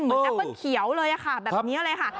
แอปเปิ้ลเขียวเลยค่ะแบบนี้เลยค่ะ